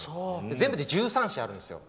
全部で１３市あるんですよ。